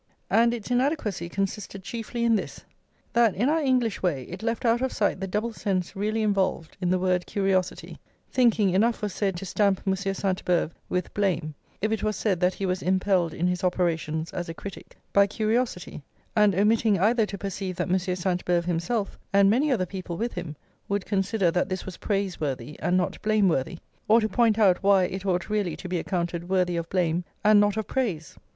And its inadequacy consisted chiefly in this: that in our English way it left out of sight the double sense really involved in the word curiosity, thinking enough was said to stamp Monsieur Sainte Beuve with blame if it was said that he was impelled in his operations as a critic by curiosity, and omitting either to perceive that Monsieur Sainte Beuve himself, and many other people with him, would consider that this was praiseworthy and not blameworthy, or to point out why it ought really to be accounted worthy of blame and not of praise.